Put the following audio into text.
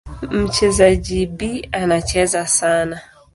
Mchezaji B anacheza sasa.